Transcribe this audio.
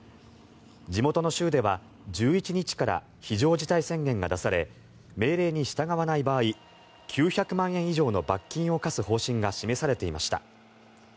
地元の州では１１日から非常事態宣言が出され命令に従わない場合９００万円以上の罰金を科す方針が示されていました。